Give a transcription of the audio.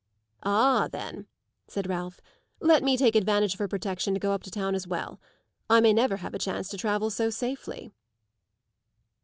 "Ah then," said Ralph, "let me take advantage of her protection to go up to town as well. I may never have a chance to travel so safely!"